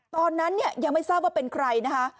ตอนนั้นเนี่ยยังไม่ทราบว่าเป็นใครนะคะ